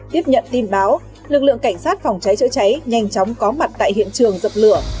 tiếp nhận tin báo lực lượng cảnh sát phòng cháy chữa cháy nhanh chóng có mặt tại hiện trường dập lửa